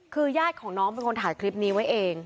คือญาติของน้องเป็นคนถ่ายคลิปนี้ไว้เอง